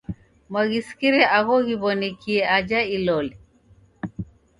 Mwaghisikire agho ghiw'onekie aja Ilole?